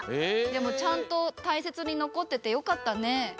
でもちゃんとたいせつにのこっててよかったね。